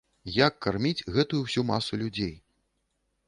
Як карміць гэтую ўсю масу людзей?